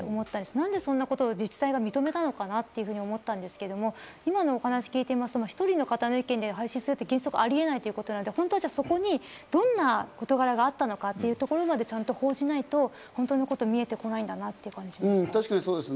何でそんなことを自治体が認めたのかと思ったんですけど、今のお話を聞いてると、１人の方の意見で廃止するというのは原則ありえないということで、どんなことがそこにあったのかというところまで、ちゃんと報じないと、本当のところが見えてこないんだなと感じました。